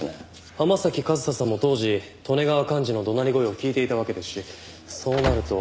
浜崎和沙さんも当時利根川寛二の怒鳴り声を聞いていたわけですしそうなると。